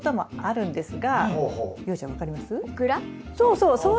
そうそう！